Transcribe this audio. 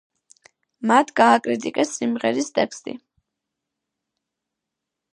მათ გააკრიტიკეს სიმღერის ტექსტი.